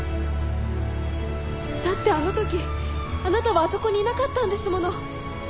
だってあの時あなたはあそこにいなかったんですもの。